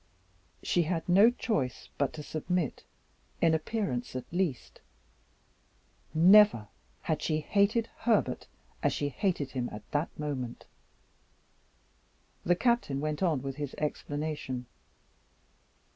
She had no choice but to submit in appearance at least. Never had she hated Herbert as she hated him at that moment. The Captain went on with his explanation.